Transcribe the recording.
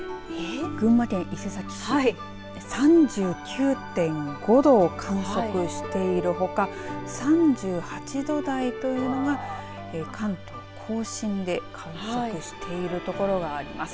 群馬県伊勢崎市３９．５度を観測しているほか３８度台というのが関東甲信で観測をしているところがあります。